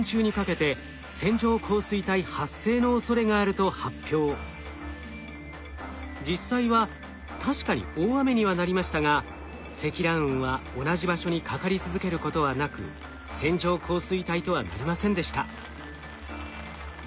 ところが去年７月１５日実際は確かに大雨にはなりましたが積乱雲は同じ場所にかかり続けることはなく線状降水帯とはなりませんでした。